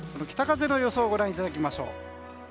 北風の予想をご覧いただきましょう。